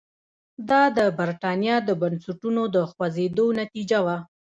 دا د برېټانیا د بنسټونو د خوځېدو نتیجه وه.